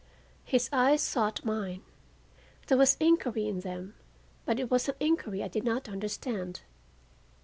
His eyes sought mine. There was inquiry in them, but it was an inquiry I did not understand.